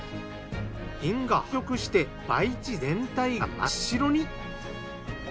菌が繁殖して培地全体が真っ白に。